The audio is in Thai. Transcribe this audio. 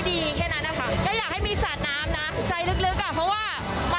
ใช่ปะในการสัดน้ำ